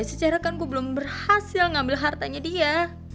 secara kan gue belum berhasil ngambil hartanya dia